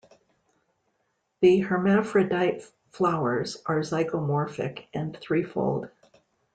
The hermaphrodite flowers are zygomorphic and threefold.